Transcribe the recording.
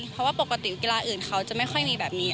เพราะว่าปกติกีฬาอื่นเขาจะไม่ค่อยมีแบบนี้